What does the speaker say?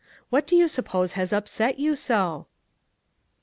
What do you suppose has upset you so